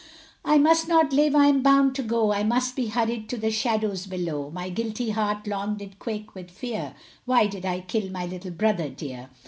I must not live, I am bound to go, I must be hurried to the shadows below, My guilty heart long did quake with fear, Why did I kill my little brother dear.